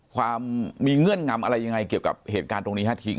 ความมีเงื่อนงำอะไรยังไงเกี่ยวกับเหตุการณ์ตรงนี้ฮะทิ้ง